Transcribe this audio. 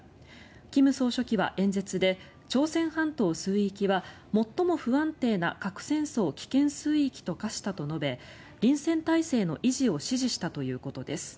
金総書記は演説で朝鮮半島水域は最も不安定な核戦争危険水域と化したと述べ臨戦態勢の維持を指示したということです。